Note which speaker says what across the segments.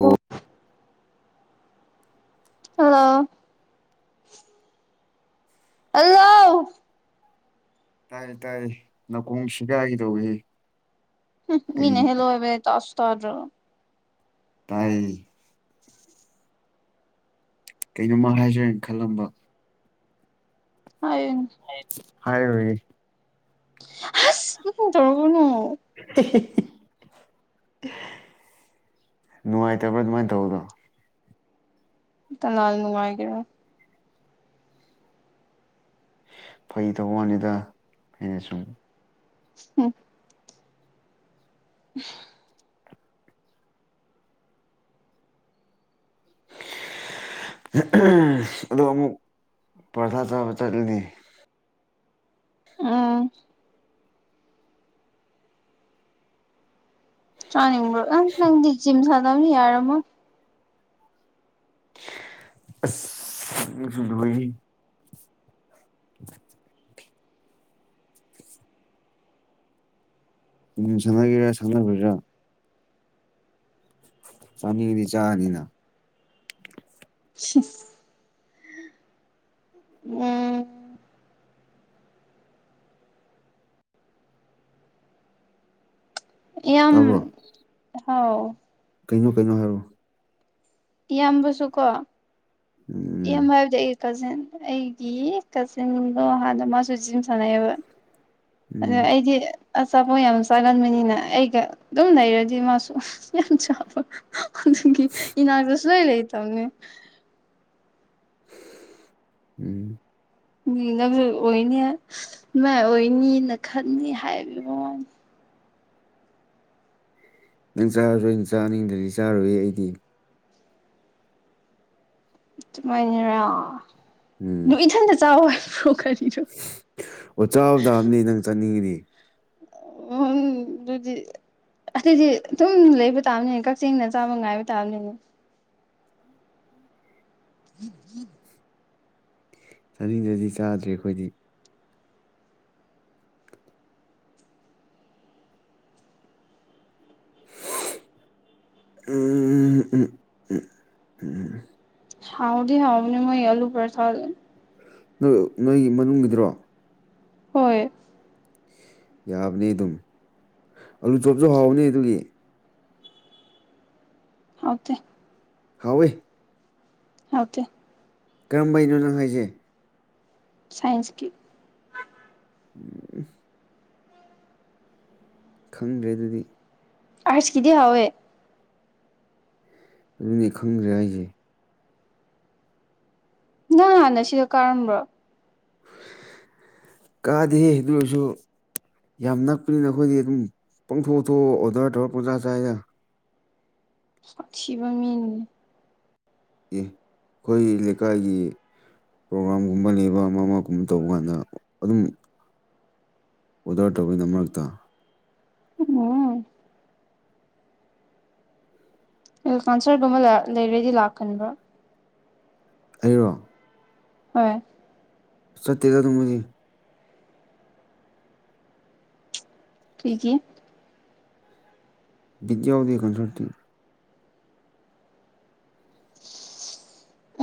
Speaker 1: ꯑꯣ
Speaker 2: hello hello
Speaker 1: ꯇꯥꯏ ꯇꯥꯏ ꯅꯥꯀꯣꯡ ꯁꯤꯒꯥꯢꯒꯦ ꯇꯧꯋꯤꯍꯦ
Speaker 2: ꯃꯤꯅꯦ ꯍꯂꯣ ꯑꯦꯕ ꯆꯁꯇꯔ
Speaker 1: ꯇꯥꯏ ꯀꯩꯅꯣꯃ ꯍꯥꯏꯖꯔꯦꯅ ꯈꯜꯂꯝꯕ
Speaker 2: ꯍꯥꯏ
Speaker 1: ꯍꯔꯦ
Speaker 2: ꯑ ꯀ ꯇꯔꯕꯨꯅ
Speaker 1: ꯅꯨꯡꯉꯥꯏꯇꯕ꯭ꯔꯥ ꯑꯗꯨꯃꯥꯏꯅ ꯇꯧꯕꯗꯣ
Speaker 2: ꯏ ꯅꯅꯨꯡꯉꯥꯏꯒꯔꯣ
Speaker 1: ꯐꯩ ꯇꯧ ꯋꯥꯅꯤꯗ ꯑꯩꯅ ꯁꯨꯝ
Speaker 2: ꯎꯝ [inaudible]
Speaker 1: [inaudible] ꯑ ꯑꯃꯨꯛ ꯄ꯭ꯔꯊꯥ ꯆꯥꯕ ꯆꯠꯂꯗꯤ
Speaker 2: ꯑꯥ ꯇꯥꯅꯤ ꯑꯪꯖꯤꯝ ꯁꯥꯗꯕꯅꯤ ꯌꯥꯔꯃꯣ
Speaker 1: ꯑ ꯁꯗꯣꯏ [inaudible] ꯎꯝ ꯁꯥꯟꯅꯒꯤꯔ ꯁꯥꯟꯅꯕꯤꯏꯔ ꯆꯅꯤꯗꯤ ꯆꯥꯅꯤꯅ
Speaker 2: ꯁꯤ ꯎꯝ ꯌꯥꯝ
Speaker 1: ꯇꯥꯕ꯭ꯔꯣ
Speaker 2: ꯍꯥꯎ
Speaker 1: ꯀꯩꯅꯣ ꯀꯩꯅꯣ ꯍꯥꯏꯔꯣ
Speaker 2: ꯏꯌꯥꯝꯕꯁꯨ ꯀꯣ
Speaker 1: ꯎꯝ
Speaker 2: ꯏꯌꯥꯝꯕ ꯍꯥꯏꯕꯗꯤ ꯀꯖꯤꯟ ꯑꯩꯒꯤ ꯀꯖꯤꯟꯗꯣ ꯍꯥꯟꯅ ꯃꯥꯁꯨ ꯖꯤꯝ ꯁꯥꯟꯅꯩꯑꯕ ꯑꯗ
Speaker 1: ꯎꯝ
Speaker 2: ꯑꯩꯗꯤ ꯑꯆꯥꯄꯣꯠ ꯌꯥꯝ ꯆꯥꯒꯟꯕꯅꯤꯅ ꯑꯩꯒ ꯑꯗꯨꯝ ꯂꯩꯔꯗꯤ ꯃꯥꯁꯨ ꯌꯥꯝ ꯆꯕ [inaudible] ꯂꯣꯏ ꯂꯦ ꯇꯧꯝꯃꯦ
Speaker 1: ꯎꯝ
Speaker 2: ꯃꯤꯅꯕ ꯑꯣꯏꯅꯤ ꯃꯥꯏ ꯑꯣꯏꯅꯤꯅ ꯈꯟꯅꯤ ꯍꯥꯏꯕ ꯃꯃꯅꯤ
Speaker 1: ꯅꯪ ꯆꯥꯔꯁꯨꯣꯏ ꯅꯪ ꯆꯥꯅꯤꯡꯗꯗꯤ ꯆꯥꯔꯨꯏ ꯑꯩꯗꯤ
Speaker 2: ꯑꯗꯨꯨꯃꯥꯏꯅꯔ ꯑꯗꯨ ꯏꯊꯟꯇ ꯆꯥꯎꯥꯋꯏ
Speaker 1: ꯎꯆꯥꯥ ꯗꯥꯝꯅꯤ ꯅꯪ ꯆꯠꯅꯤꯡꯉꯤꯗꯤ
Speaker 2: ꯎꯝ ꯑꯗꯨꯗꯤ ꯑꯁꯤꯗꯤ ꯊꯨꯝ ꯂꯩꯕ ꯇꯥꯕꯅꯤꯅꯦ ꯀꯛꯆꯤꯡꯅ ꯆꯥꯕ ꯉꯥꯏꯕ ꯇꯥꯕꯅꯤꯅꯦ ꯏ ꯌꯦ
Speaker 1: ꯆꯅꯤꯗꯗꯤ ꯆꯥꯗ꯭ꯔꯦ ꯑꯩꯈꯣꯏꯗꯤ ꯎꯝ ꯎꯝ ꯎꯝ ꯎꯝ
Speaker 2: ꯍꯥꯎꯗꯤ ꯍ ꯑꯅꯤ ꯃꯣꯏ ꯑꯂꯨ ꯄꯔꯁꯦ
Speaker 1: ꯅꯣꯏ ꯅꯣꯏꯒꯤ ꯃꯅꯨꯡꯒꯤꯗ꯭ꯔꯣ
Speaker 2: ꯍꯣꯏ
Speaker 1: ꯌꯥꯕꯅꯤ ꯑꯗꯨꯝ ꯑꯂꯨ ꯆꯣꯞꯁꯨ ꯍꯥꯎꯅꯦ ꯑꯗꯨꯒꯤ
Speaker 2: ꯍꯧꯗ
Speaker 1: ꯍꯋꯦ
Speaker 2: ꯑꯣꯀꯦ
Speaker 1: ꯀꯔꯝꯕꯩꯅꯣ ꯅꯪ ꯍꯥꯏꯁꯦ
Speaker 2: ꯁꯥꯏꯟꯁꯀꯤ
Speaker 1: ꯎꯝ ꯈꯪꯗ꯭ꯔꯦ ꯑꯗꯨꯗꯤ
Speaker 2: ꯑꯁ ꯀꯗꯤ ꯍꯥꯋꯦ
Speaker 1: ꯑꯗꯨꯅꯦ ꯈꯪꯗ꯭ꯔꯦ ꯑꯩꯁꯦ
Speaker 2: ꯅꯪ ꯍꯥꯟꯅ ꯁꯤꯗ ꯀꯥꯔꯝꯕ꯭ꯔꯣ
Speaker 1: ꯀꯥꯗ ꯑꯗꯨꯁꯨ ꯌꯥꯝ ꯅꯛꯄꯅꯤ ꯅ ꯑꯩꯈꯣꯏꯗꯤ ꯑꯗꯨꯝ ꯄꯪꯊꯣꯛꯊꯣꯛ ꯑꯣꯗꯔ ꯇꯧꯔ ꯄꯖꯥ ꯆꯗ
Speaker 2: ꯀ ꯁꯤꯕ ꯃꯤꯅꯤ
Speaker 1: ꯑꯦ ꯑꯩꯈꯣꯏ ꯂꯩꯀꯥꯏꯒꯤ ꯄ꯭ꯔꯣꯒ꯭ꯔꯥꯝꯒꯨꯝꯕ ꯂꯩꯕ ꯑꯃ ꯑꯃꯒꯨꯝꯕ ꯇꯧꯕ ꯀꯥꯟꯗ ꯑꯗꯨꯝ ꯑꯣꯗꯔ ꯇꯧꯕꯒꯤꯗ ꯃꯔꯛꯇ
Speaker 2: ꯎꯝ ꯑꯦ ꯀꯥꯟꯁꯔꯒꯨꯝꯕ ꯂꯩꯔꯗꯤ ꯂꯥꯛꯀꯟꯕ꯭ꯔꯥ
Speaker 1: ꯑꯩꯔꯣ
Speaker 2: ꯍꯣꯏ
Speaker 1: ꯁꯇꯌꯗ ꯇꯨꯃꯦ
Speaker 2: ꯊꯀꯤꯦ
Speaker 1: ꯕꯤꯗꯌꯥ ꯎꯗ ꯀꯟ ꯁꯇꯤ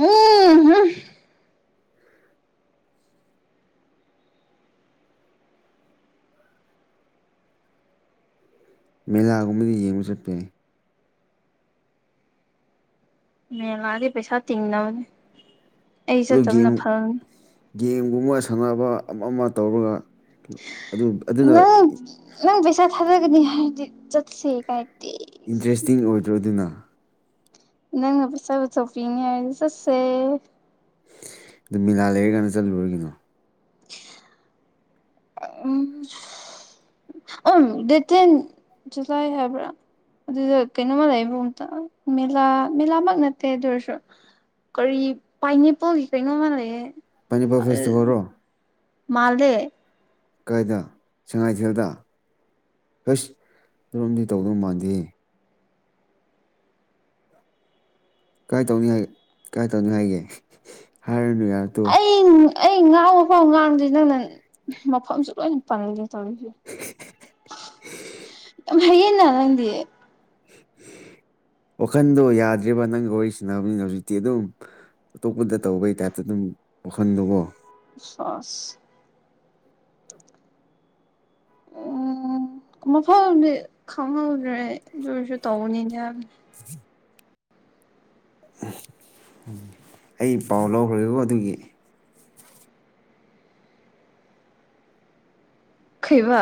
Speaker 2: ꯎꯝ ꯍꯝ
Speaker 1: ꯃꯦꯂꯥꯒꯨꯝꯕꯗꯤ ꯌꯦꯡꯕ ꯆꯠꯄ
Speaker 2: ꯃ ꯂꯥꯑꯗꯤ ꯄꯩꯁꯥ ꯇꯤꯡꯅꯅꯦ
Speaker 1: ꯑꯗꯨ ꯒꯦꯝ ꯒꯦꯝꯒꯨꯝꯕ ꯁꯥꯟꯅꯕ ꯑꯃ ꯑꯃ ꯇꯧꯔꯒ ꯑꯗꯨ ꯑꯗꯨꯅ
Speaker 2: ꯅꯪ ꯅꯪ ꯁꯥ ꯊ ꯍꯥꯏ ꯁꯤ ꯀꯥꯏꯗꯤ
Speaker 1: ꯏꯟꯇꯔꯦꯁꯇꯤꯡ ꯑꯣꯏꯗ꯭ꯔꯣ ꯑꯗꯨꯅ
Speaker 2: ꯅꯪ ꯄꯁꯥ ꯆꯄꯤꯉ ꯆꯠꯁꯦ
Speaker 1: ꯑꯗꯨ ꯃꯤꯂꯥ ꯂꯩꯔ ꯀꯥꯟꯗ ꯆꯠꯂꯨꯔꯤꯒꯤꯅꯣ
Speaker 2: [inaudible] ꯎꯝ ꯗꯠꯇꯦꯟ ꯆꯂꯥꯏ ꯍꯥꯏꯕ꯭ꯔꯥ ꯑꯗꯨꯗ ꯀꯩꯅꯣꯝꯃ ꯂꯩ ꯏꯕ ꯑꯝꯇ ꯃꯦꯂꯥ ꯃꯦꯂꯥꯃꯛ ꯅꯠꯇꯦ ꯑꯗꯨꯔꯁꯨ ꯀꯔꯤ ꯄꯥꯏꯅꯦꯄꯜꯒꯤ ꯀꯩꯅꯣ ꯃꯥꯜ ꯂꯩꯦ
Speaker 1: ꯄꯅꯤꯄꯨꯔ ꯐꯦꯁꯇꯤꯚꯦꯜꯣ
Speaker 2: ꯃꯥꯜꯗꯦ
Speaker 1: ꯀꯥꯏꯗ ꯁꯉꯥꯏꯊꯦꯜꯗ ꯍꯁ ꯑꯣꯝꯗꯤ ꯇꯧꯗꯧ ꯃꯥꯟꯗꯦ ꯀꯥꯏ ꯇꯧꯅꯤ ꯍꯥꯏꯦ ꯀꯥꯏ ꯇꯧꯅꯤ ꯍꯥꯏꯒꯦ ꯍꯥꯏꯔꯅꯨ ꯌꯥꯔꯗꯣ
Speaker 2: ꯑꯩ ꯑꯩ ꯉꯥꯡꯕ ꯐꯥꯎ ꯉꯥꯡꯗ꯭ꯔꯤ ꯅꯪꯅ ꯃꯐꯝꯁꯨ ꯂꯣꯏꯅ ꯄꯪꯒꯦ ꯌꯥꯝ ꯍꯌꯦꯡꯟꯅ ꯅꯪꯗꯤ
Speaker 1: ꯋꯥꯈꯟꯗꯣ ꯌꯥꯗ꯭꯭ꯔꯔꯤꯕ ꯅꯪꯒ ꯋꯥꯔꯤ ꯁꯟꯅꯅꯕꯅꯤꯅ ꯍꯧꯖꯤꯛꯇꯤ ꯑꯗꯨꯝ ꯑꯇꯣꯞꯄꯗ ꯇꯧꯕꯩ ꯇꯥꯏꯞꯇ ꯑꯗꯨꯝ ꯋꯥꯈꯟꯗꯨꯣꯀꯣ
Speaker 2: ꯆꯁ
Speaker 1: [inaudible]
Speaker 2: ꯎ ꯃꯐꯝꯗꯤ ꯈꯪꯍꯧꯗ꯭ꯔꯦ ꯑꯗꯨ ꯑꯣꯏꯔꯁꯨ ꯇꯧꯅꯤꯅꯦ ꯍꯥꯏꯕꯅꯤ
Speaker 1: ꯎ ꯑꯩ ꯄꯥꯎ ꯂꯧꯈ꯭ꯔꯦꯀꯣ ꯑꯗꯨꯒꯤ
Speaker 2: ꯈꯩꯕ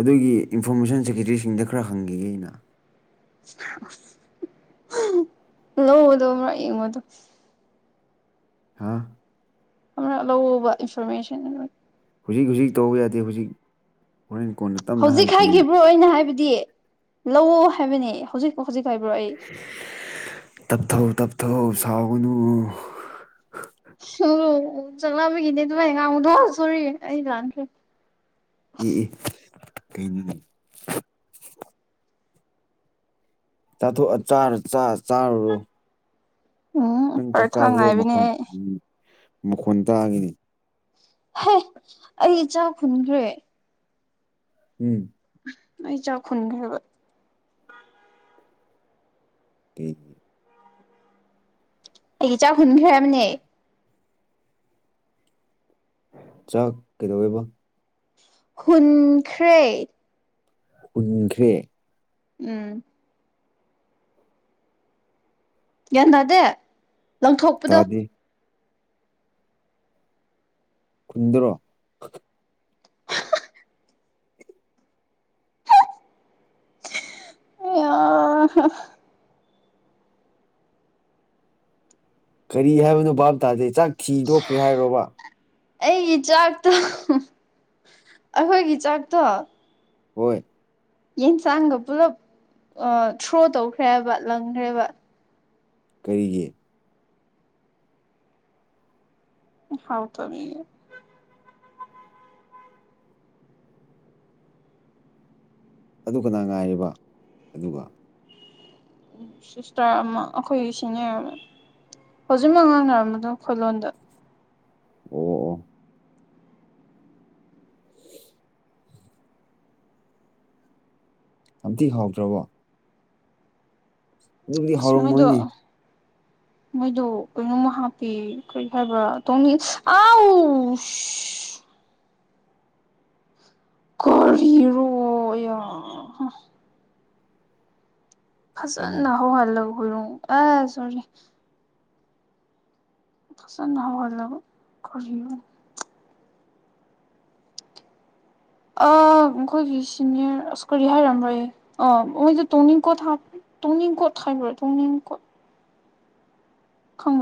Speaker 1: ꯑꯗꯨꯒꯤ ꯏꯟꯐꯣꯔꯃꯦꯁꯟ ꯁꯦꯀ꯭ꯔꯦꯇꯔꯤꯁꯤꯡꯗ ꯈꯔ ꯍꯪꯈꯤꯒꯦ ꯑꯩꯅ
Speaker 2: ꯂꯧꯗ ꯑꯃ ꯌꯦꯡꯉꯣꯗꯣ
Speaker 1: ꯍꯥꯥ
Speaker 2: ꯑꯃꯅ ꯂꯧꯎꯕ ꯏꯟꯐꯣꯔꯃꯦꯁꯟ
Speaker 1: ꯍꯧꯖꯤꯛ ꯍꯧꯖꯤꯛ ꯇꯧꯕ ꯌꯥꯗꯦ ꯍꯧꯖꯤꯛ ꯍꯣꯔꯦꯟ ꯀꯣꯟꯅ ꯇꯞꯅ
Speaker 2: ꯍꯧꯖꯤꯛ
Speaker 1: ꯍꯥꯏꯔꯛꯀꯦꯅ
Speaker 2: ꯍꯥꯏꯈꯤꯕ꯭ꯔꯣ ꯑ ꯑꯣꯏꯅ ꯍꯥꯏꯕꯗꯤ ꯂꯧ ꯍꯥꯏꯕꯅꯤ ꯍꯧꯖꯤꯛ ꯃꯈꯈꯖꯤ ꯈꯥꯏꯕ꯭ꯔꯔꯤ
Speaker 1: ꯇꯞꯊ ꯁꯥꯎꯒꯅꯨ
Speaker 2: ꯑꯣ ꯆꯪꯂꯕꯒꯤꯅꯦ ꯑꯗꯨꯃꯥꯏ ꯉꯥꯡꯉꯨꯗꯣ ꯁꯣꯔꯤ ꯑꯩ ꯂꯥꯟꯈ꯭ꯔꯦ
Speaker 1: ꯏ ꯑꯦ ꯀꯩꯅꯅꯤ ꯆꯥꯊꯣꯛꯑ ꯆꯥꯔ ꯆꯥ ꯆꯥꯔꯨꯔꯣ
Speaker 2: ꯎꯝ
Speaker 1: ꯅꯪ ꯆꯥꯛ
Speaker 2: ꯄꯔꯊꯥ
Speaker 1: ꯆꯥꯕꯗꯣ
Speaker 2: ꯉꯥꯏꯕꯅꯦ
Speaker 1: ꯃꯈꯣꯟ
Speaker 2: ꯑꯩ
Speaker 1: ꯃꯈꯣꯟ ꯇꯥꯈꯤꯅꯤ
Speaker 2: ꯍ ꯑꯩ ꯏꯆꯥ ꯈꯨꯟꯈ꯭ꯔꯦ
Speaker 1: ꯎꯝ
Speaker 2: ꯑꯩ ꯆꯈꯒꯕ
Speaker 1: ꯀ
Speaker 2: ꯑꯩ ꯆꯥꯛ ꯍꯨꯟꯈ꯭ꯔꯦꯕꯅꯦ
Speaker 1: ꯆꯥꯛ ꯀꯩꯗꯧꯋꯦꯕ
Speaker 2: ꯍꯨꯟꯈ꯭ꯔꯦ
Speaker 1: ꯎ
Speaker 2: ꯎꯝ ꯌꯥꯒ꯭ꯌꯥꯟꯅꯥꯗꯦ ꯂꯪꯊꯣꯛꯄꯗ
Speaker 1: ꯇꯥꯗꯦ ꯈꯨꯟꯗ꯭ꯔꯣ
Speaker 2: ꯑꯦ
Speaker 1: ꯀꯔꯤ ꯍꯥꯏꯕꯅꯣ ꯚꯥꯞ ꯇꯥꯖꯦ ꯆꯥꯛ ꯊꯤꯗꯣꯛꯈ꯭ꯔꯦ ꯍꯥꯏꯔꯣꯕ
Speaker 2: ꯑꯩꯒꯤ ꯆꯥꯛꯇꯣ ꯑꯩꯈꯣꯏꯒꯤ ꯆꯥꯛꯇꯣ
Speaker 1: ꯍꯣꯏ
Speaker 2: ꯌꯦꯟꯁꯥꯡꯒ ꯄꯨꯂꯞ ꯊ꯭ꯔꯣ ꯇꯧꯈ꯭ꯔꯦꯕ ꯂꯪꯈ꯭ꯔꯦꯕ
Speaker 1: ꯀꯔꯤꯒꯤ
Speaker 2: ꯍꯥꯎ ꯇ ꯃꯤ
Speaker 1: ꯑꯗꯨꯅꯥ ꯉꯥꯏꯔꯤꯕ ꯑꯗꯨꯒ
Speaker 2: ꯁꯤꯁꯇꯔ ꯑꯃ ꯑꯩꯈꯣꯏꯒꯤ ꯁꯤꯅꯤꯌꯔ ꯑꯃ ꯍꯧꯖꯤꯛ ꯃꯉꯥꯡꯅꯔꯝꯝꯕꯗꯣ ꯈꯨꯣꯏꯂꯣꯗ
Speaker 1: ꯑꯣ ꯑꯣ ꯑꯝꯇꯤ ꯍꯥꯎꯗ꯭ꯔꯕꯣ ꯑꯗꯨꯕꯨꯗꯤ
Speaker 2: ꯑꯁ ꯃꯣꯏꯗꯣ
Speaker 1: ꯍꯧꯔꯝꯃꯣꯏꯅꯦ [inaudible]
Speaker 2: ꯃꯣꯏꯗꯣ ꯀꯩꯅꯣꯝꯃ ꯍꯥꯞꯄꯤ ꯀꯔꯤ ꯍꯥꯏꯕ꯭ꯔꯥ ꯇꯧꯅꯤꯡ ꯑꯥꯎ ꯀꯔꯣ ꯌꯥ
Speaker 1: ꯀꯩꯅꯣ
Speaker 2: ꯐꯖꯅ ꯍꯧꯍꯜꯂꯒ ꯍꯔꯣ ꯑꯦ ꯁꯣꯔꯤ ꯄꯁꯅ ꯍ ꯂꯧ ꯀꯌꯨ ꯑ ꯑꯩꯈꯣꯏꯒꯤ ꯁꯤꯅꯤꯌꯔ ꯑꯁ ꯀꯔꯤ ꯍꯥꯏꯔꯝꯕꯣꯏ ꯑ ꯃꯣꯏꯗ ꯇꯣꯡꯅꯤꯡꯀꯣ ꯊ ꯇꯨꯡ ꯀꯣꯠ ꯈꯥꯏꯕ꯭ꯔꯣ ꯇꯨꯡ ꯀꯣꯠ ꯈꯪ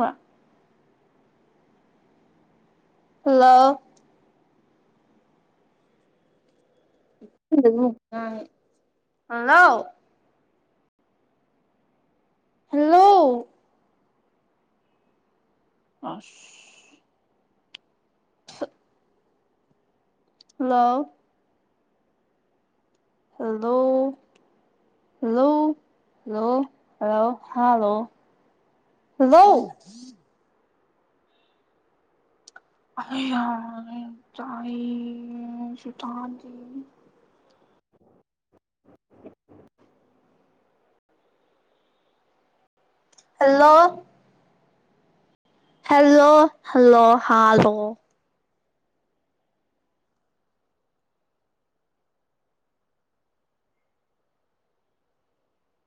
Speaker 2: ꯍꯜꯂꯣ ꯎꯝ ꯑ ꯍꯂꯥꯎ ꯍꯜꯂꯣ ꯑ [inaudible] ꯂ hello hello hello hello hello ꯋꯥꯏ ꯑꯩ ꯌꯥ ꯆ ꯁꯇꯥꯟꯖꯤ ꯍꯜꯂꯣ ꯍꯦꯜꯂꯣ ꯍꯜꯂꯣ ꯍꯥ ꯍ